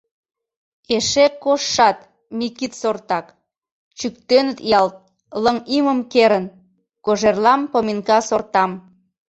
Эше кожшат — Микит сортак: чӱктеныт ялт, лыҥ имым керын, кожерлам поминка сортам.